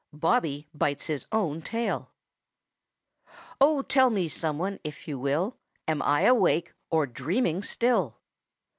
BOBBY BITES HIS OWN TAIL "Oh tell me, some one, if you will Am I awake or dreaming still?"